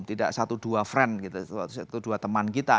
tidak satu dua teman kita